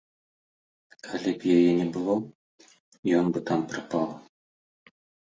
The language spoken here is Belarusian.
Калі б яе не было, ён бы там прапаў.